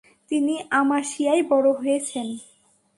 তিনি আমাসিয়ায় বড় হয়েছেন।